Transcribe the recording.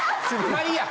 まあいいや。